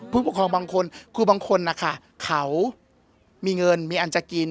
ผู้ปกครองบางคนคือบางคนนะคะเขามีเงินมีอันจะกิน